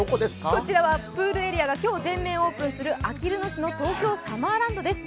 こちらはプールエリアが今日、全面オープンするあきる野市の東京サマーランドです